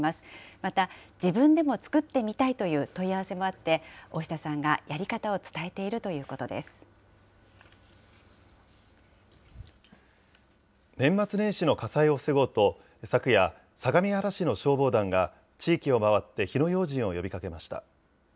また自分でも作ってみたいという問い合わせもあって、大下さんがやり方を伝えているということで年末年始の火災を防ごうと、昨夜、相模原市の消防団が地域を回って火の用心を呼びかけました。